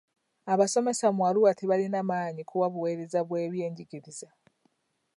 Abasomesa mu Arua tebalina maanyi kuwa buweereza bw'ebyenjigiriza.